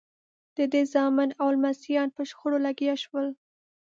د ده زامن او لمسیان په شخړو لګیا شول.